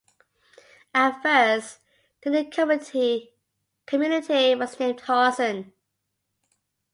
At first, the new community was named Hausen.